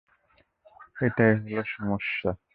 এটাই হলো সমস্যা।